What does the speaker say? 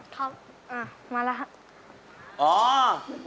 ครับมาแล้วครับ